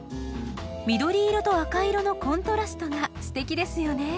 緑色と赤色のコントラストがすてきですよね。